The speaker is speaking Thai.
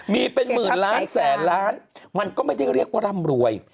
มีเป็นหมื่นล้านแสนล้านมันก็ไม่ได้เรียกว่าร่ำรวย